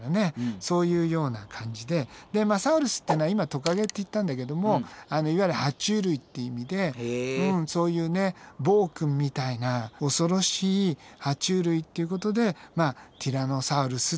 そういうような感じでサウルスっていうのは今トカゲって言ったんだけどもいわゆるは虫類って意味でそういうね暴君みたいな恐ろしいは虫類っていうことでまあティラノサウルスっていう名前がね